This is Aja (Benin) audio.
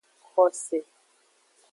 Xose.